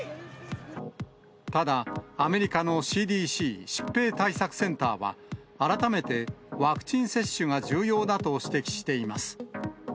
ただ、アメリカのＣＤＣ・疾病対策センターは、改めてワクチン接種が重要だと指摘しています。